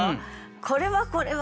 「これはこれは」